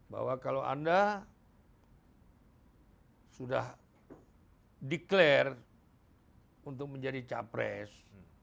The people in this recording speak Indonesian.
bahwa kalau anda sudah declare untuk menjadi capres